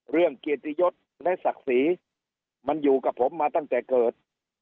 เกียรติยศและศักดิ์ศรีมันอยู่กับผมมาตั้งแต่เกิด